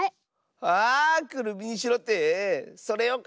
あくるみにしろってそれをかえばいいのか！